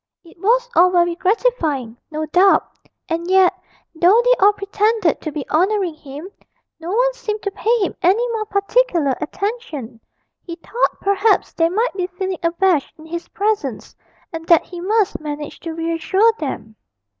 It was all very gratifying, no doubt and yet, though they all pretended to be honouring him, no one seemed to pay him any more particular attention; he thought perhaps they might be feeling abashed in his presence, and that he must manage to reassure them.